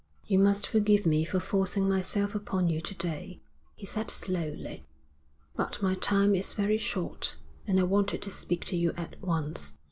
'You must forgive me for forcing myself upon you to day,' he said slowly. 'But my time is very short, and I wanted to speak to you at once.'